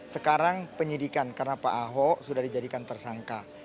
sekarang penyidikan karena pak ahok sudah dijadikan tersangka